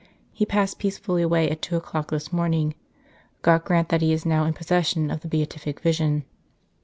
He passed peacefully away at two o clock this morning. God grant that he is now in possession of the Beatific Vision."